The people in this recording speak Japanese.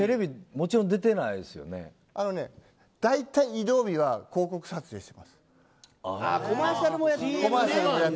だいたい、移動日は広告撮影してます。